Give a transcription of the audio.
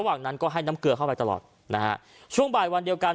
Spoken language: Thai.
วันนั้นก็ให้น้ำเกลือเข้าไปตลอดนะฮะช่วงบ่ายวันเดียวกัน